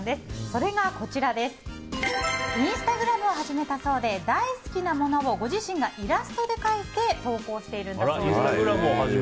それがインスタグラムを始めたそうで大好きなものをご自身がイラストで描いて投稿しているんだそうです。